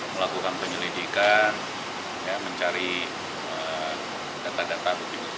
melakukan penyelidikan mencari data data